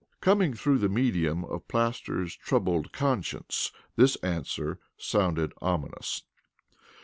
Coming through the medium of Plaster's troubled conscience, this answer sounded ominous.